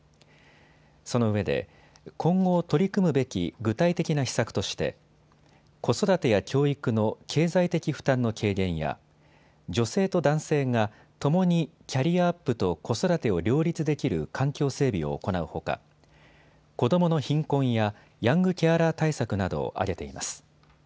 そのうえで今後、取り組むべき具体的な施策として子育てや教育の経済的負担の軽減や、女性と男性が、ともにキャリアアップと子育てを両立できる環境整備を行うほか子どもの貧困やヤングケアラー対策などを挙げています。